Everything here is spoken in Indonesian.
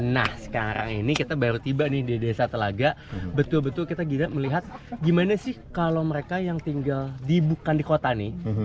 nah sekarang ini kita baru tiba nih di desa telaga betul betul kita gila melihat gimana sih kalau mereka yang tinggal di bukan di kota nih